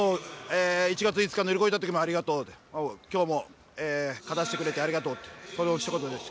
１月５日を乗り越えたときもありがとうで、きょうも勝たせてくれてありがとうって、このひと言です。